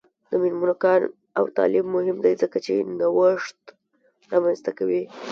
د میرمنو کار او تعلیم مهم دی ځکه چې نوښت رامنځته کوي.